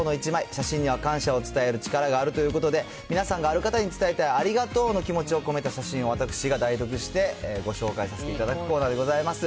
写真には感謝を伝える力があるということで、皆さんがある方に伝えたいありがとうの気持ちを込めた写真を、私が代読してご紹介させていただくコーナーでございます。